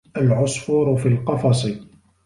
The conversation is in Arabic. الْعَصْفُورُ فِي الْقَفَصِ.